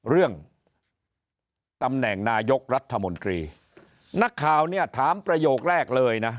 เรื่องตำแหน่งนายกรัฐมนตรีนักข่าวเนี่ยถามประโยคแรกเลยนะ